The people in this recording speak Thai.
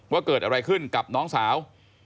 ว่าเกิดอะไรขึ้นกับน้องสาว